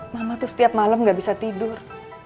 mama tuh setiap malam gak bisa tidur